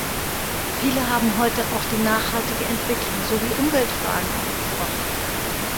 Viele haben heute auch die nachhaltige Entwicklung sowie Umweltfragen angesprochen.